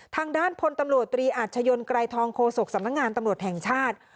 ทางด้านพลตำรวจตรีอาชญนไกรทองโฆษกสำนักงานตำรวจแห่งชาติ